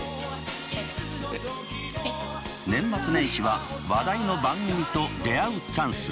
年末年始は話題の番組と出会うチャンス。